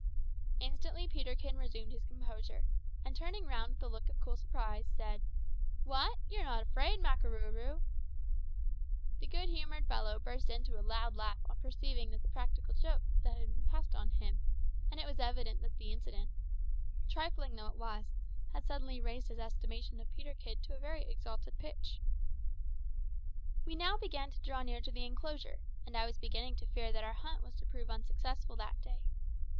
Instantly Peterkin resumed his composure, and turning round with a look of cool surprise, said "What! you're not afraid, Makarooroo?" The good humoured fellow burst into a loud laugh on perceiving the practical joke that had been passed on him, and it was evident that the incident, trifling though it was, had suddenly raised his estimation of Peterkin to a very exalted pitch. We now began to draw near to the enclosure, and I was beginning to fear that our hunt was to prove unsuccessful that day.